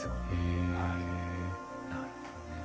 へえなるほどね。